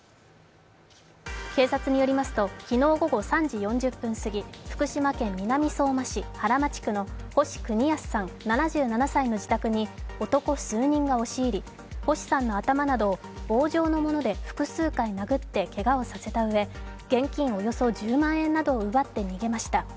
警察によりますと、昨日の午後３時４０分過ぎ、福島県南相馬市原町区の星邦康さん７７歳の自宅に男数人が押し入り星さんの頭などを棒状のもので複数回殴ってけがをさせたうえ、現金およそ１０万円などを奪って逃げました。